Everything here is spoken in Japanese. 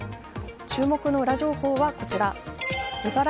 注目の裏情報はこちら。